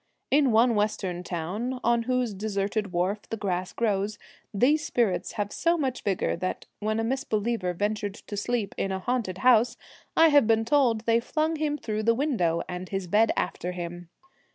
In one western town, on whose deserted wharf the grass grows, these spirits have so much vigour that, when a misbeliever ventured to sleep in a haunted house, I have been told they flung him through the window, and his bed after him.